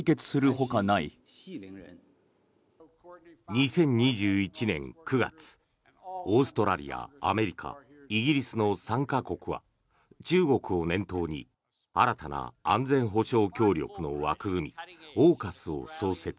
２０２１年９月オーストラリアアメリカ、イギリスの３か国は中国を念頭に新たな安全保障協力の枠組みＡＵＫＵＳを創設。